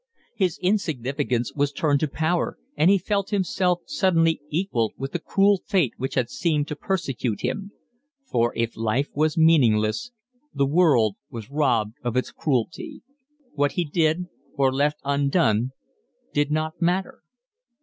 His insignificance was turned to power, and he felt himself suddenly equal with the cruel fate which had seemed to persecute him; for, if life was meaningless, the world was robbed of its cruelty. What he did or left undone did not matter.